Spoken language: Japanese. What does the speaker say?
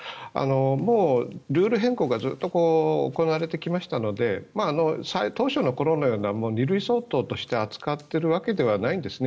もうルール変更がずっと行われてきましたので当初の頃のような２類相当として扱っているわけではないんですね